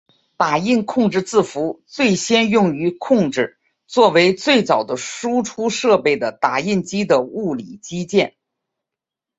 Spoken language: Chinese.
打印控制字符最先用于控制作为最早的输出设备的打印机的物理机件。